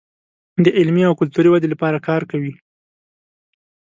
د علمي او کلتوري ودې لپاره کار کوي.